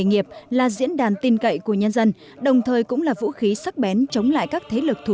nghiệp là diễn đàn tin cậy của nhân dân đồng thời cũng là vũ khí sắc bén chống lại các thế lực thù